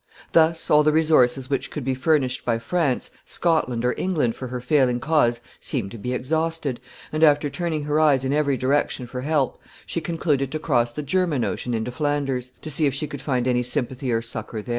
Thus all the resources which could be furnished by France, Scotland, or England for her failing cause seemed to be exhausted, and, after turning her eyes in every direction for help, she concluded to cross the German Ocean into Flanders, to see if she could find any sympathy or succor there.